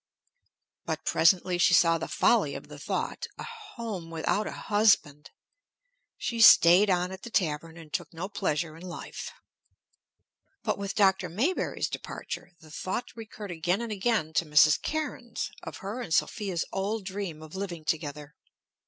But presently she saw the folly of the thought, a home without a husband! She staid on at the tavern, and took no pleasure in life. But with Dr. Maybury's departure, the thought recurred again and again to Mrs. Cairnes of her and Sophia's old dream of living together.